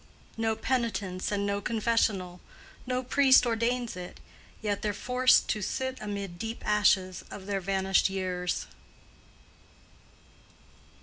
No penitence and no confessional, No priest ordains it, yet they're forced to sit Amid deep ashes of their vanished years.